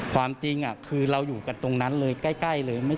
ความจริงคือเราอยู่กันตรงนั้นเลยใกล้เลย